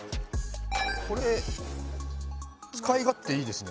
これつかい勝手いいですね。